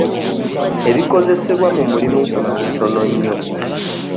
Ebikozesebwa mu mulimu guno bitono nnyo.